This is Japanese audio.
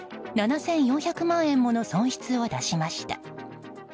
７４００万円もの損失を出しました。